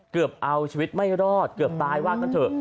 เกือบเอาชีวิตไม่รอดเกือบตายว่ากันเถอะ